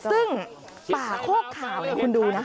ซึ่งป่าโคกขาวให้คุณดูนะ